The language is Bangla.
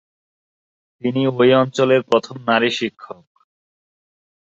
তিনি ওই অঞ্চলের প্রথম নারী শিক্ষক।